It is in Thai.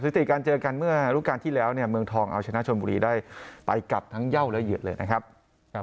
ติการเจอกันเมื่อรูปการณ์ที่แล้วเนี่ยเมืองทองเอาชนะชนบุรีได้ไปกลับทั้งเย่าและเหยืดเลยนะครับ